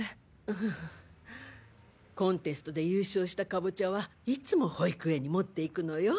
うっコンテストで優勝したカボチャはいつも保育園に持って行くのよ。